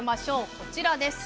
こちらです。